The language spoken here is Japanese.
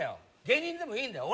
芸人でもいいんだよ。